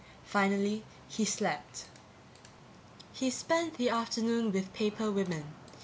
Finally he slept. He spent the afternoon with paper women.